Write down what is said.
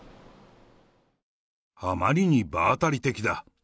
あまりに場当たり的だ。